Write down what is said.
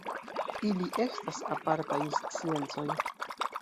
Ili estas apartaj sciencoj.